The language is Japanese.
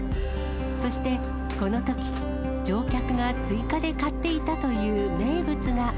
そして、このとき、乗客が追加で買っていたという名物が。